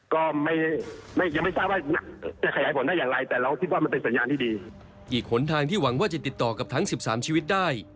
ความพักว่าคำตอบกันดังสามชีวิตได้